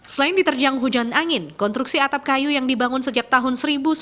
selain diterjang hujan angin konstruksi atap kayu yang dibangun sejak tahun seribu sembilan ratus sembilan puluh